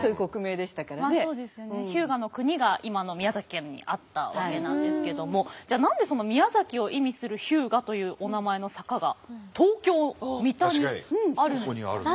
日向国が今の宮崎県にあったわけなんですけどもじゃあ何で宮崎を意味する日向というお名前の坂が東京・三田にあるのか？